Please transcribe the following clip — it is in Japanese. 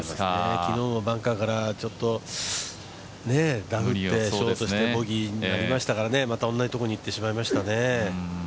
昨日もバンカーからダフってショートしてボギーになりましたからまた同じ所に行ってしまいましたね。